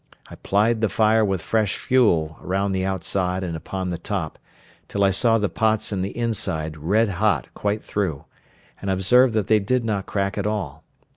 I plied the fire with fresh fuel round the outside and upon the top, till I saw the pots in the inside red hot quite through, and observed that they did not crack at all.